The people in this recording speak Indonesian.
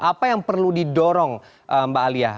apa yang perlu didorong mbak alia